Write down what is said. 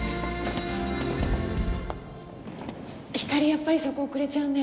やっぱりそこ遅れちゃうね。